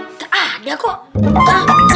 nggak ada kok